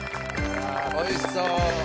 おいしそう！